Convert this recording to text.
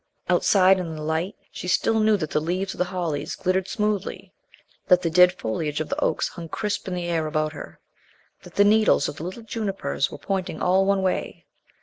Outside, in the light, she still knew that the leaves of the hollies glittered smoothly, that the dead foliage of the oaks hung crisp in the air about her, that the needles of the little junipers were pointing all one way.